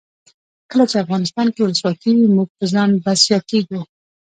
کله چې افغانستان کې ولسواکي وي موږ په ځان بسیا کیږو.